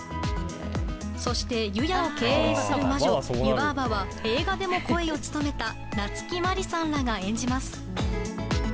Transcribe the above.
そして、湯屋を経営する魔女湯婆婆は映画でも声を務めた夏木マリさんらが演じます。